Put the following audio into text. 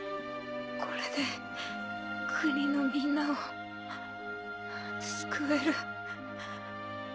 これで国のみんなを救える。